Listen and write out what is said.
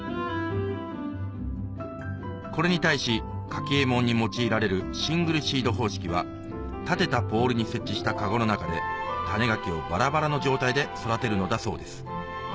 これに対しカキえもんに用いられるシングルシード方式は立てたポールに設置した籠の中で種ガキをバラバラの状態で育てるのだそうです